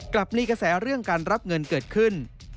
มีกระแสเรื่องการรับเงินเกิดขึ้น